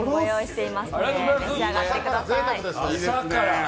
お召し上がりください。